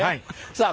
さあ